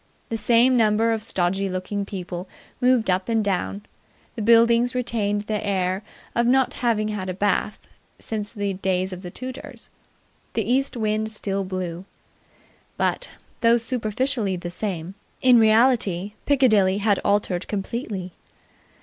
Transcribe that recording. The same number of stodgy looking people moved up and down. The buildings retained their air of not having had a bath since the days of the Tudors. The east wind still blew. But, though superficially the same, in reality Piccadilly had altered completely.